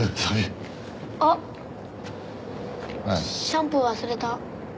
シャンプー忘れた。